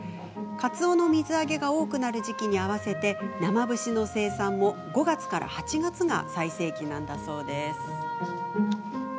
かつおの水揚げが多くなる時期に合わせて生節の生産も５月から８月が最盛期なんだそうです。